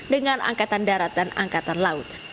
dengan angkatan darat dan angkatan laut